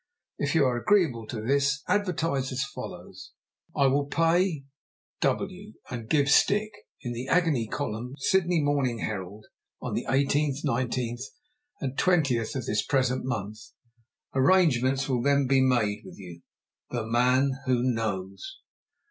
If you are agreeable to this, advertise as follows, 'I will Pay W., and give stick!' in the agony column Sydney Morning Herald, on the 18th, 19th, and 20th of this present month. Arrangements will then be made with you. "THE MAN WHO KNOWS."